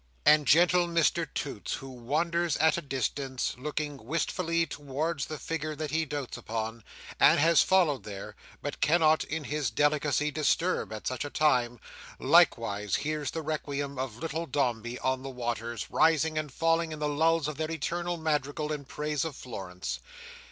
And gentle Mr Toots, who wanders at a distance, looking wistfully towards the figure that he dotes upon, and has followed there, but cannot in his delicacy disturb at such a time, likewise hears the requiem of little Dombey on the waters, rising and falling in the lulls of their eternal madrigal in praise of Florence.